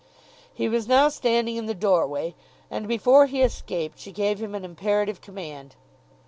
He was now standing in the doorway, and before he escaped she gave him an imperative command.